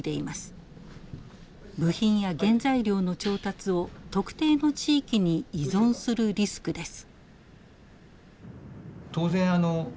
部品や原材料の調達を特定の地域に依存するリスクです。